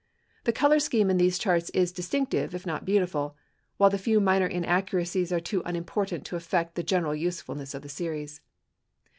The color scheme in these charts is distinctive if not beautiful, while the few minor inaccuracies are too unimportant to affect the general usefulness of the series.